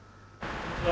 こんにちは。